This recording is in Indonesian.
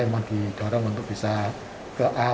memang didorong untuk bisa keolah